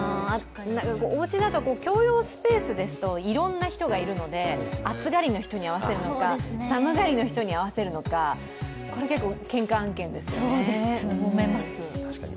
おうちだと共有スペースですといろいろな人が入るので、暑がりの人に合わせるのか寒がりの人に合わせるのか、これ結構けんか案件ですよね。